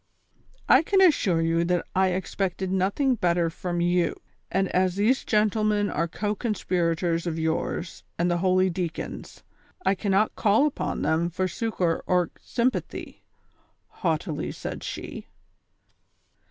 " I can assure you that I expected nothing better from you, and as these gentlemen are co conspirators of yours and the holy deacon's, I cannot call upon them for succor or symi)athy," haughtily said she.